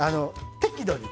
適度に。